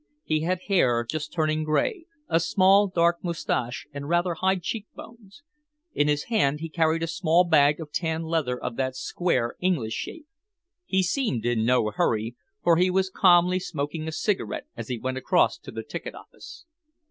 He had hair just turning gray, a small dark mustache and rather high cheek bones. In his hand he carried a small bag of tan leather of that square English shape. He seemed in no hurry, for he was calmly smoking a cigarette as he went across to the ticket office."